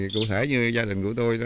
cụ thể như gia đình của tôi